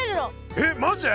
えっマジで？